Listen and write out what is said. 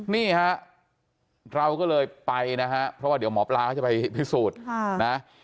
นี่ฮะเราก็เลยไปนะฮะเพราะว่าเดี๋ยวหมอปลาเขาจะไปพิสูจน์นะ